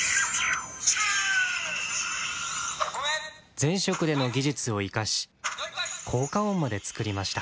前職での技術を生かし効果音まで作りました。